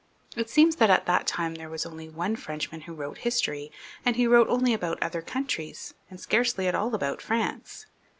It seems that at that time there was only one Frenchman who wrote history, and he wrote only about other countries, 150 CHARLES IV, {L^ BEL), [CH. > I and scarcely at all about France.